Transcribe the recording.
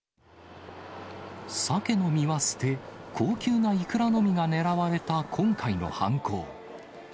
サケの身は捨て、高級なイクラのみが狙われた今回の犯行。